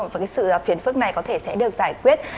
và sự phiền phức này có thể sẽ được giải quyết